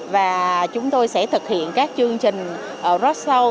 và chúng tôi sẽ thực hiện các chương trình rất sâu